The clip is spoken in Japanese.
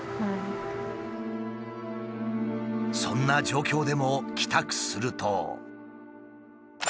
そんな状況でも帰宅すると。